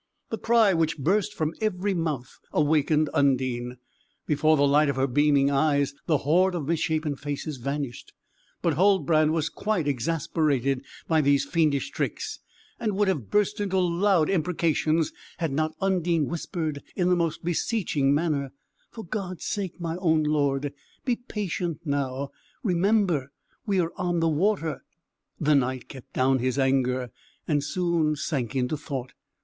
The cry which burst from every mouth awakened Undine. Before the light of her beaming eyes the horde of misshapen faces vanished. But Huldbrand was quite exasperated by these fiendish tricks and would have burst into loud imprecations, had not Undine whispered in the most beseeching manner, "For God's sake, my own lord, be patient now; remember we are on the water." The Knight kept down his anger, and soon sank into thought.